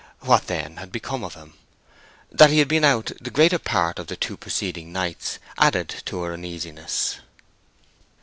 What, then, had become of him? That he had been out the greater part of the two preceding nights added to her uneasiness.